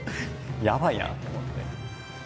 やばいなと思って。